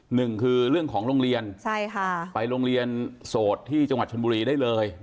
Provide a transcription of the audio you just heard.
หนึ่งคือเรื่องของโรงเรียนใช่ค่ะไปโรงเรียนโสดที่จังหวัดชนบุรีได้เลย